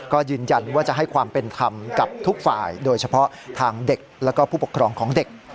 ก็ยืนยันว่าจะให้ความเป็นธรรมกับทุกฝ่ายโดยเฉพาะทางเด็กและผู้ปกครองของเด็ก